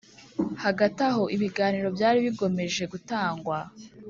hagati aho ibiganiro byari bigomeje gutangwa